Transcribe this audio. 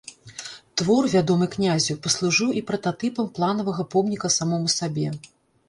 Твор, вядомы князю, паслужыў і прататыпам планаванага помніка самому сабе.